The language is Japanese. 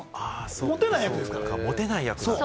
モテない役ですから。